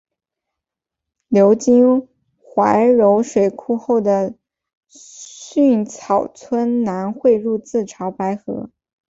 流经怀柔水库后在梭草村南汇入潮白河。